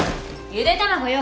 ゆで卵よ。